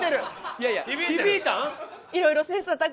いやいや響いたん？